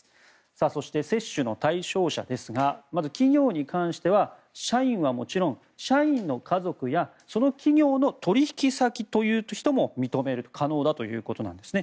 そして、接種の対象者ですがまず企業に関しては社員はもちろん、社員の家族やその企業の取引先という人も可能だということなんですね。